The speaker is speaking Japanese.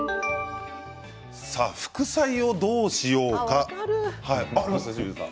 副菜をどうしようか。